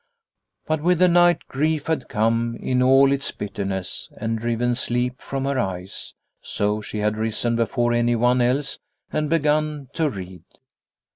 But with the night grief had come in all its bitterness and driven sleep from her eyes, so she had risen before anyone else and begun to read.